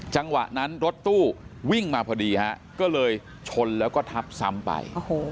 จังหวะนั้นรถตู้วิ่งมาพอดีฮะก็เลยชนแล้วก็ทับซ้ำไป